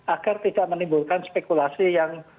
agar tidak menimbulkan spekulasi yang